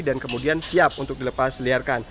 dan kemudian siap untuk dilepas liarkan